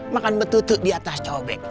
makan betutuk di atas cobek